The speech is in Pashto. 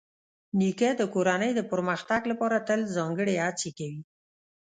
نیکه د کورنۍ د پرمختګ لپاره تل ځانګړې هڅې کوي.